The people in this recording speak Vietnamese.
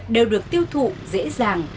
đều được tiêu thụ dễ dàng